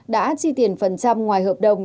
đã chi tiền phần trăm ngoài hợp đồng